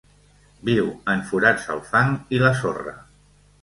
Viu en forats al fang i la sorra.